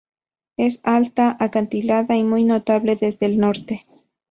Es alta, acantilada y muy notable desde el norte.